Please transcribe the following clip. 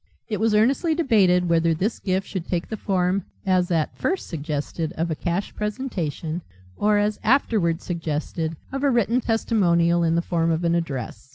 It was earnestly debated whether this gift should take the form, as at first suggested, of a cash presentation, or as afterwards suggested, of a written testimonial in the form of an address.